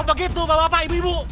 begitu bapak bapak ibu ibu